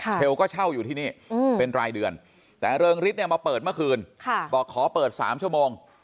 เชลก็เช่าอยู่ที่นี่เป็นรายเดือนแต่เริงฤทธิเนี่ยมาเปิดเมื่อคืนบอกขอเปิด๓ชั่วโมง